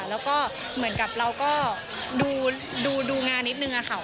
แล้วก็เหมือนกับเราก็ดูงานนิดนึงค่ะ